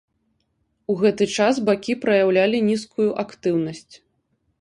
У гэты час бакі праяўлялі нізкую актыўнасць.